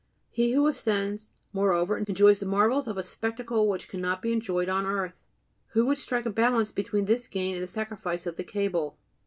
He who ascends, moreover, enjoys the marvels of a spectacle which cannot be enjoyed on earth. Who would strike a balance between this gain and the sacrifice of the cable?